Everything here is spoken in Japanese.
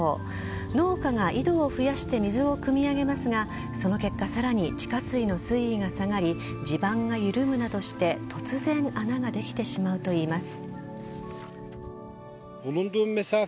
農家が井戸を増やして水をくみ上げますがその結果さらに地下水の水位が下がり地盤が緩むなどして突然穴ができてしまうといいます。